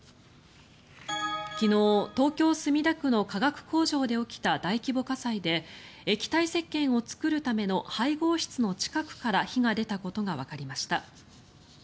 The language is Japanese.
昨日、東京・墨田区の化学工場で起きた大規模火災で液体せっけんを作るための配合室の近くから火が出たことがわかりました。